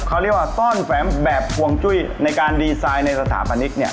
เขาเรียกว่าต้อนแฝมแบบห่วงจุ้ยในการดีไซน์ในสถาปนิกเนี่ย